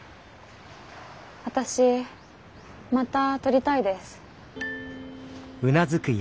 私また撮りたいです。